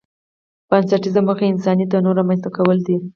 بنسټيزه موخه یې انساني تنوع رامنځته کول دي.